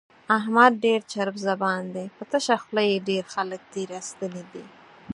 احمد ډېر چرب زبان دی، په تشه خوله یې ډېر خلک تېر ایستلي دي.